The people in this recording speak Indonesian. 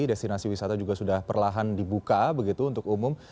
destinasi wisata juga sudah perlahan dibuka begitu untuk umum